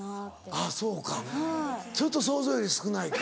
あぁそうかちょっと想像より少ないか。